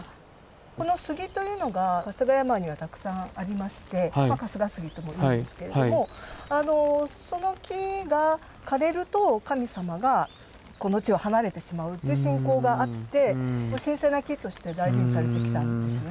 この杉というのが春日山にはたくさんありまして春日杉とも言われますけれどもその木が枯れると神様がこの地を離れてしまうっていう信仰があって神聖な木として大事にされてきたんですよね。